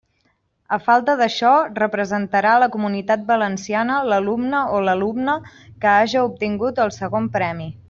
A falta d'això, representarà la Comunitat Valenciana l'alumne o l'alumna que haja obtingut el segon premi.